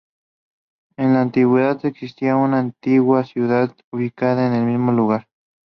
En la Antigüedad existía una antigua ciudad ubicada en el mismo lugar.